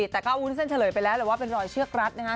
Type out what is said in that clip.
แต่ก็วุ้นเส้นเฉลยไปแล้วแหละว่าเป็นรอยเชือกรัดนะฮะ